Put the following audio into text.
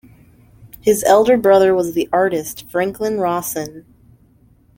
His elder brother was the artist Franklin Rawson.